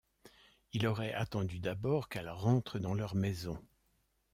Il aurait attendu d'abord qu'elles rentrent dans leurs maisons.